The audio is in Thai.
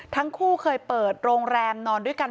ทั้งคู่เคยเปิดโรงแรมนอนด้วยกัน